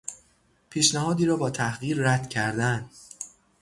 پیشنهادی را با تحقیر رد کردن